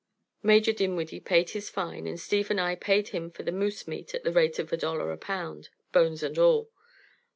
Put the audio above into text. Major Dinwiddie paid his fine, and Steve and I paid him for the moose meat at the rate of a dollar a pound, bones and all.